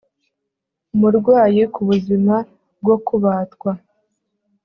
umurwayi ku buzima bwo kubatwa